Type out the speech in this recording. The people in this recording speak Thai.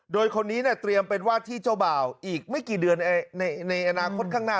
โดยคนนี้เตรียมเป็นวาดที่เจ้าบ่าวอีกไม่กี่เดือนในอนาคตข้างหน้า